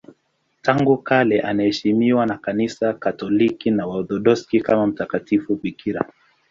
Tangu kale anaheshimiwa na Kanisa Katoliki na Waorthodoksi kama mtakatifu bikira.